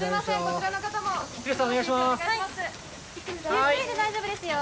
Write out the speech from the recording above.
ゆっくりで大丈夫ですよ。